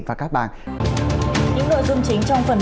bất chấp lệnh cấm